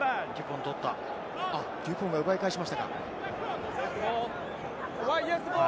デュポンが奪い返しましたか？